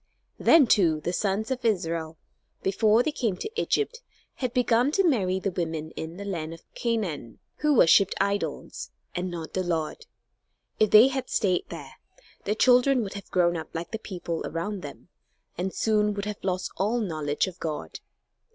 Then, too, the sons of Israel, before they came to Egypt, had begun to marry the women in the land of Canaan who worshipped idols, and not the Lord. If they had stayed there, their children would have grown up like the people around them and soon would have lost all knowledge of God.